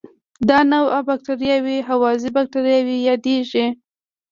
دا نوعه بکټریاوې هوازی باکتریاوې یادیږي.